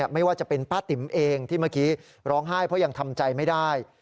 ไม่ว่าจะเป็นป้าติ๋มเองที่เมื่อกี้ร้องไห้เพราะยังทำใจไม่ได้